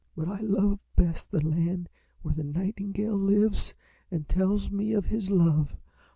But I love best the land where the nightingale lives and tells me of his love.